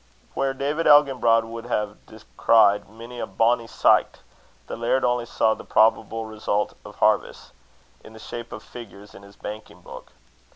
Where David Elginbrod would have described many a "bonny sicht," the laird only saw the probable results of harvest, in the shape of figures in his banking book.